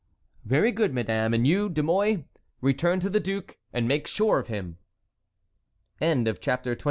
"Very good, madame; and you, De Mouy, return to the duke, and make sure of him." CHAPTER XXVI.